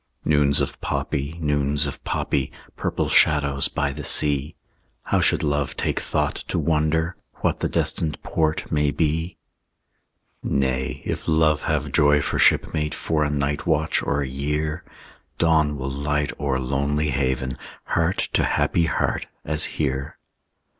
Noons of poppy, noons of poppy, Purple shadows by the sea; How should love take thought to wonder What the destined port may be? Nay, if love have joy for shipmate For a night watch or a year, Dawn will light o'er Lonely Haven, Heart to happy heart, as here.